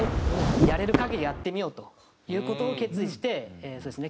やれる限りやってみようという事を決意してそうですね